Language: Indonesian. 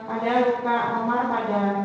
ada luka oma pada